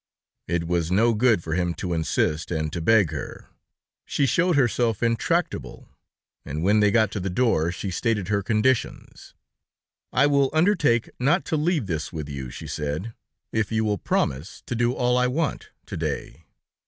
It was no good for him to insist and to beg her; she showed herself intractable, and when they got to the door, she stated her conditions. "I will undertake not to leave this with you," she said, "if you will promise to do all I want to day."